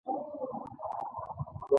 ترڅو کمپیوټر د خطر زنګونه ونه وهي